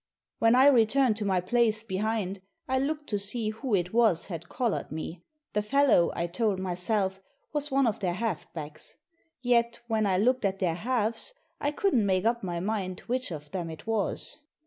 When I returned to my place behind I looked to see who it was had collared me. The fellow, I told myself, was one of their half backs. Yet, when I looked at their halves, I couldn't make up my mind which of them it was.